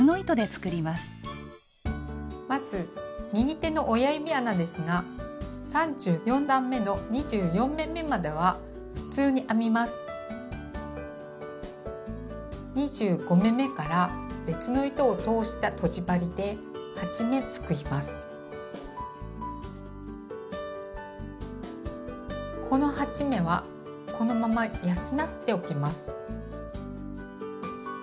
まず右手の親指穴ですが３４段めのこの８目はこのまま休ませておきます。